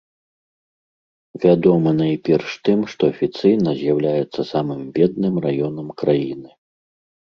Вядомы найперш тым, што афіцыйна з'яўляецца самым бедным раёнам краіны.